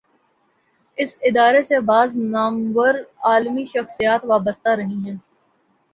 اس ادارے سے بعض نامور علمی شخصیات وابستہ رہی ہیں۔